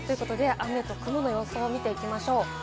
雨と雲の様子を見ていきましょう。